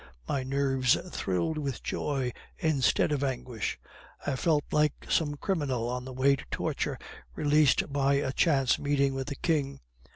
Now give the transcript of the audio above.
My nerves thrilled with joy instead of anguish. I felt like some criminal on the way to torture released by a chance meeting with the king.